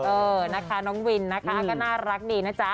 เออนะคะน้องวินนะคะก็น่ารักดีนะจ๊ะ